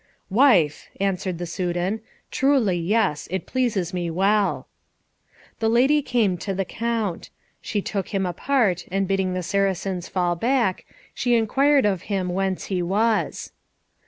"Wife," answered the Soudan, "truly, yes; it pleases me well." The lady came to the Count. She took him apart, and bidding the Saracens fall back, she inquired of him whence he was.